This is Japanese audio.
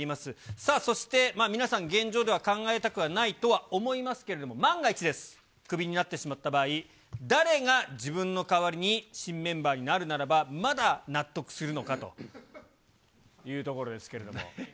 さあ、そして皆さん、現状では考えたくはないとは思いますけれども、万が一です、クビになってしまった場合、誰が自分の代わりに新メンバーになるならば、まだ納得するのかというところですけども。